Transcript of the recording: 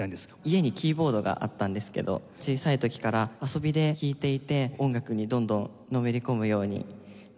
家にキーボードがあったんですけど小さい時から遊びで弾いていて音楽にどんどんのめり込むようになっていきました。